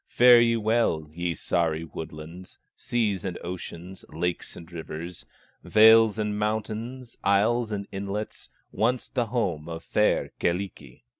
Fare ye well, ye Sahri woodlands, Seas and oceans, lakes and rivers, Vales and mountains, isles and inlets, Once the home of fair Kyllikki!"